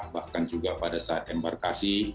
bahkan juga pada saat embarkasi